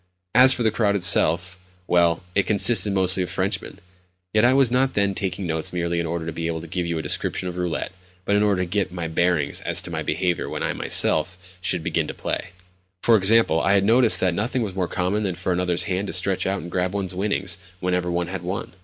As for the crowd itself—well, it consisted mostly of Frenchmen. Yet I was not then taking notes merely in order to be able to give you a description of roulette, but in order to get my bearings as to my behaviour when I myself should begin to play. For example, I noticed that nothing was more common than for another's hand to stretch out and grab one's winnings whenever one had won.